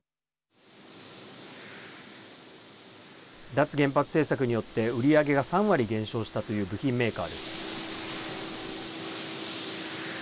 脱原発政策によって売り上げが３割減少したという部品メーカーです。